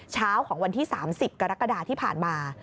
เช้าของวันที่๓๐กรกฎาที่ผ่านมา